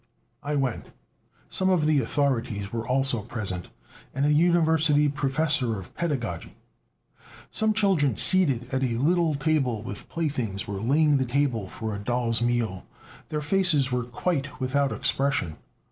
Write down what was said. I went. Some of the authorities were also present, and a university professor of pedagogy. Some children seated at a little table with playthings were laying the table for a doll's meal; their faces were quite without expression.